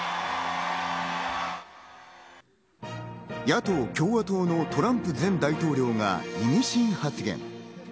野党・共和党のトランプ前大統領が意味深な発言。